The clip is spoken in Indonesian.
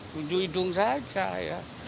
tunjuk hidung saja ya